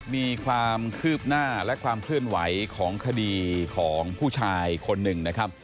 มีความคืบหน้าและความเคลื่อนไหวของคดีของผู้ชายคนหนึ่งนะครับ